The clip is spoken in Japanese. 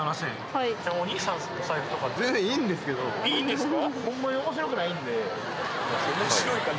・はい・いいんですか？